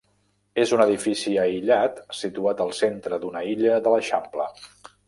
És un edifici aïllat situat al centre d'una illa de l'eixample.